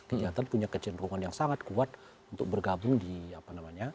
kegiatan punya kecenderungan yang sangat kuat untuk bergabung di apa namanya